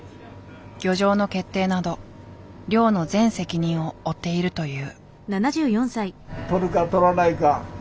漁場の決定など漁の全責任を負っているという。